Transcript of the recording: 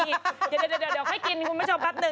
เดี๋ยวเดี๋ยวค่อยกินคุณผ้าชอบปักหนึ่ง